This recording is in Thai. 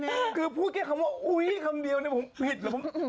เมื่อกี้คำว่าอุ๊ยคำเดียวเนี่ยผมผิดหรือ